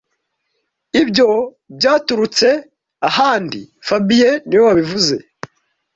Ibyo byaturutse ahandi fabien niwe wabivuze